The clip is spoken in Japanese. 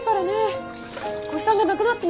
お日さんがなくなっちまうよ。